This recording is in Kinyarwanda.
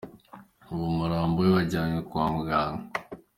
Ubu umurambo we wajyanywe kwa muganga.